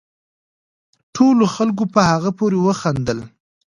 ټولو خلقو په هغه پورې وخاندل